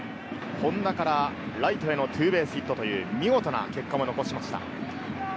本田からライトへのツーベースヒットという見事な結果も残しました。